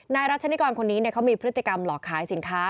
รัชนิกรคนนี้เขามีพฤติกรรมหลอกขายสินค้า